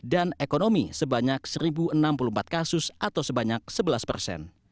dan ekonomi sebanyak satu enam puluh empat kasus